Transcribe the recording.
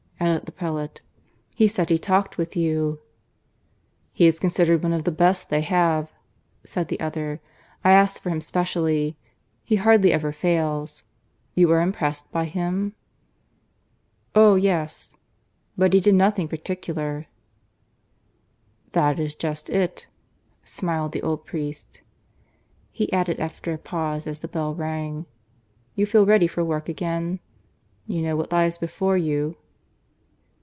added the prelate. "He said he had talked with you." "He is considered one of the best they have," said the other "I asked for him specially. He hardly ever fails. You are impressed by him?" "Oh yes ... but he did nothing particular." "That is just it," smiled the old priest. He added after a pause, as the bell rang "You feel ready for work again? You know what lies before you?"